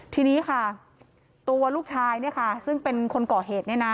ทีนี้ค่ะตัวลูกชายเนี่ยค่ะซึ่งเป็นคนก่อเหตุเนี่ยนะ